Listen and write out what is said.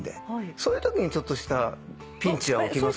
そういうときにちょっとしたピンチは起きますよね。